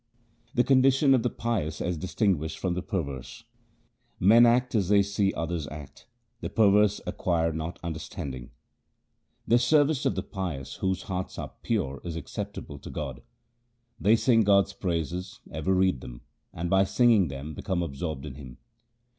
The condition of the pious as distinguished from the perverse :— Men act as they see others act : the perverse acquire not understanding. 1 God's name. HYMNS OF GURU AMAR DAS 155 The service of the pious whose hearts are pure is acceptable to God. They sing God's praises, ever read them, and by singing them become absorbed in Him.